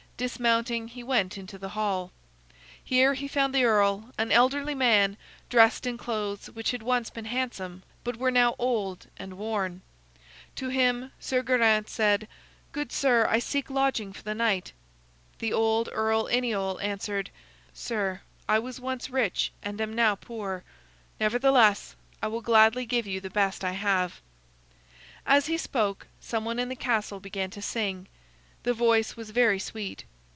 Dismounting, he went into the hall. Here he found the earl, an elderly man dressed in clothes which had once been handsome, but were now old and worn. To him Sir Geraint said: "Good sir, I seek lodging for the night." The old Earl Iniol answered: "Sir, I was once rich and am now poor; nevertheless, I will gladly give you the best I have." As he spoke, some one in the castle began to sing. The voice was very sweet.